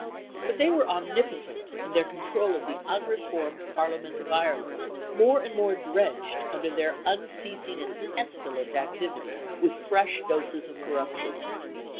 But they were omnipotent in their control of the unreformed. Parliament of Ireland, more and more drenched, under their unceasing and pestilent activity, with fresh doses of corruption.